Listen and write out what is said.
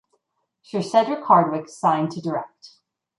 Sir Cedric Hardwicke signed to direct.